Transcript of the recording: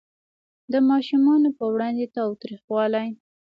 د ماشومانو په وړاندې تاوتریخوالی